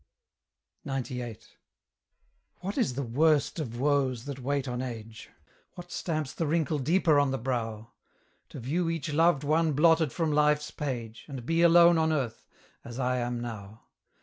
XCVIII. What is the worst of woes that wait on age? What stamps the wrinkle deeper on the brow? To view each loved one blotted from life's page, And be alone on earth, as I am now.